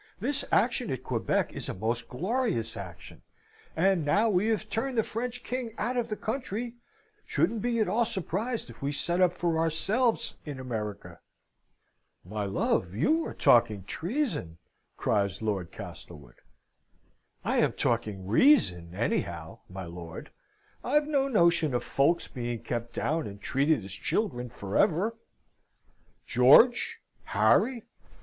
This action at Quebec is a most glorious action; and now we have turned the French king out of the country, shouldn't be at all surprised if we set up for ourselves in America." "My love, you are talking treason!" cries Lord Castlewood. "I am talking reason, anyhow, my lord. I've no notion of folks being kept down, and treated as children for ever!" George! Harry!